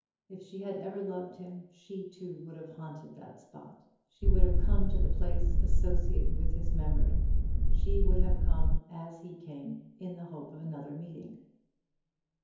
If she had ever loved him, she too would have haunted that spot. She would have come to the place associated with his memory: she would have come, as he came, in the hope of another meeting.